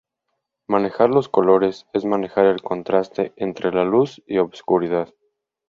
Manejar los colores es manejar los contrastes entre la luz y oscuridad.